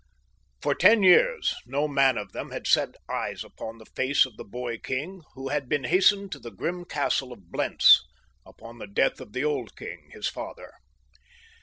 For ten years no man of them had set eyes upon the face of the boy king who had been hastened to the grim castle of Blentz upon the death of the old king, his father.